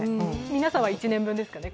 皆さんは１年分ですかね。